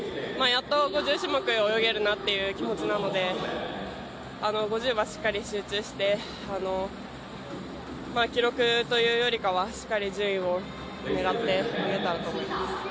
やっと５０種目を泳げるなっていう、気持ちなので、５０はしっかり集中して記録というよりかはしっかり順位を狙っていけたらと思います。